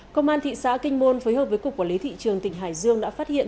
công an thị xã kinh môn phối hợp với cục quản lý thị trường tỉnh hải dương đã phát hiện